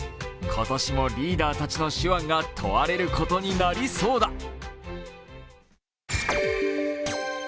今年もリーダーたちの手腕が問われることになりそうだ。